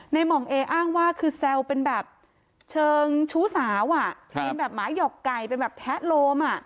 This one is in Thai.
หม่องเออ้างว่าคือแซวเป็นแบบเชิงชู้สาวเป็นแบบหมาหยอกไก่เป็นแบบแทะโลมอ่ะ